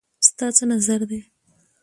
ستا څه نظر دی